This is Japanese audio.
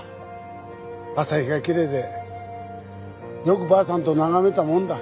朝日がきれいでよくばあさんと眺めたもんだ。